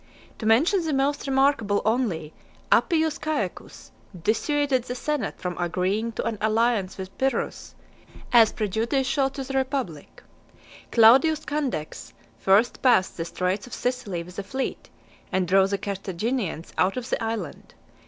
To mention the most remarkable only, Appius Caecus dissuaded the senate from agreeing to an alliance with Pyrrhus, as prejudicial to the republic . Claudius Candex first passed the straits of Sicily with a fleet, and drove the Carthaginians out of the island .